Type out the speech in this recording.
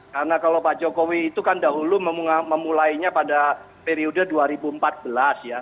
karena kalau pak jokowi itu kan dahulu memulainya pada periode dua ribu empat belas ya